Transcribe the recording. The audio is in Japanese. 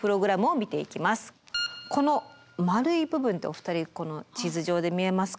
この丸い部分ってお二人この地図上で見えますか？